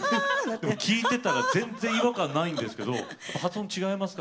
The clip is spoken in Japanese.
聴いてたら全然、違和感ないんですけど発音違いますか？